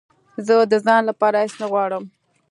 زه د ځان لپاره هېڅ نه غواړم